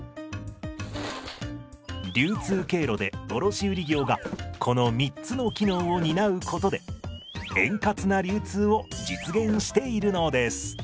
流通経路で卸売業がこの３つの機能を担うことで円滑な流通を実現しているのです。